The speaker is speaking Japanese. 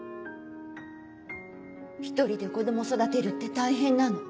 １人で子供を育てるって大変なの。